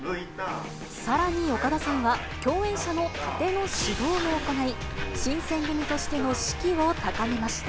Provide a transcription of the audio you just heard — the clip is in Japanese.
さらに岡田さんは、共演者のタテの指導も行い、新選組としての士気を高めました。